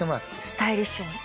スタイリッシュに。